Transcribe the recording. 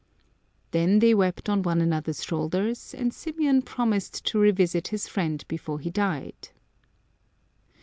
Then they wept on one another's shoulders, and Symeon promised to revisit his friend before he died.